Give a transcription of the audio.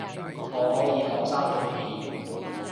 我可以講三種語言